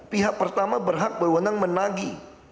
pihak pertama berhak berwenang menagi